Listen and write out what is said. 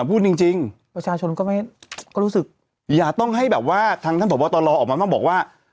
พูดจริงประชาชนก็ไม่ก็รู้สึกอย่าต้องให้แบบว่าทางท่านผอบตรออกมาบ้างบอกว่า